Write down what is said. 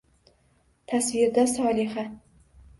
Tasvirda Solixa